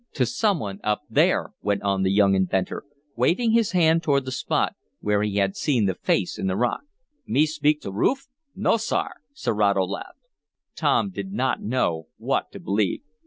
"To some one up there!" went on the young inventor, waving his hand toward the spot where he had seen the face in the rock. "Me speak to roof? No, sar!" Serato laughed. Tom did not know what to believe.